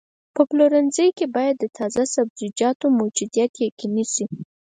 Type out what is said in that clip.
په پلورنځي کې باید د تازه سبزیجاتو موجودیت یقیني شي.